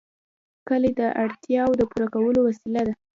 کلي د اړتیاوو د پوره کولو وسیله ده.